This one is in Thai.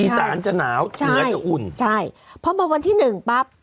อีสานจะหนาวเหนือจะอุ่นใช่พอวันที่หนึ่งปั๊บ